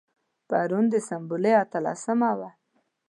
پرون د سنبلې اتلسمه وه.